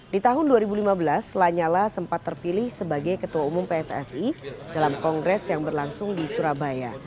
di tahun dua ribu lima belas lanyala sempat terpilih sebagai ketua umum pssi dalam kongres yang berlangsung di surabaya